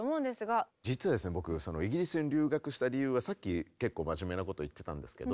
実は僕イギリスに留学した理由はさっき結構真面目なことを言ってたんですけど。